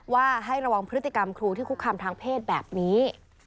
ว่าให้ระวังพฤติกรรมครูที่คุกคามทางเพศแบบนี้